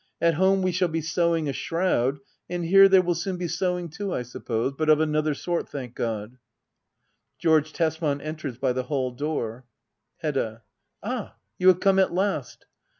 At home we shall be sewing a shroud ; and here there will soon be sewing too, I suppose — but of another sort, thank God ! George Tesman enters hy the hall door. Hedda. Ah, you have come at last